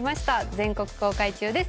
全国公開中です。